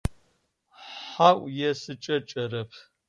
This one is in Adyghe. Хьау есыкӏэ сшӏэрэп.